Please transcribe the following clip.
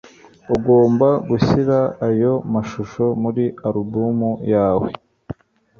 ugomba gushyira ayo mashusho muri alubumu yawe